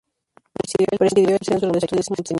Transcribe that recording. Presidió el Centro de Estudios Montañeses.